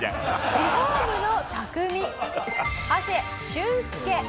リフォームの匠長谷俊介。